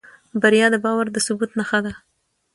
بریا د باور د ثبوت نښه ده.